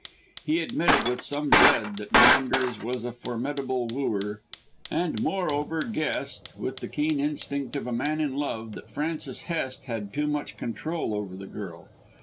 He admitted with some dread that Maunders was a formidable wooer, and moreover guessed, with the keen instinct of a man in love, that Frances Hest had too much control over the girl.